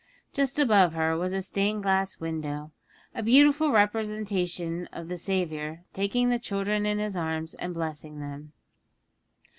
Just above her was a stained glass window a beautiful representation of the Saviour taking the children in His arms and blessing them.